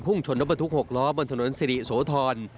ชนรถบรรทุก๖ล้อบนถนนสิริโสธร